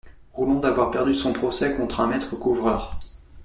Roulon d'avoir perdu son procès contre un maître couvreur.